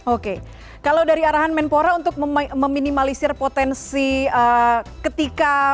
oke kalau dari arahan menpora untuk meminimalisir potensi ketika